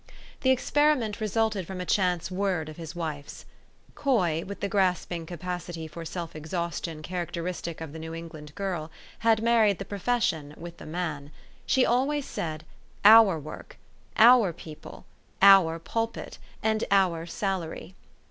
The experiment resulted from a chance word of his wife's. Coy, with the grasping capacity for self exhaustion characteristic of the New England girl, had married the profession with the man. She always said, " Our work," " Our people," " Our pulpit," and " Our salary."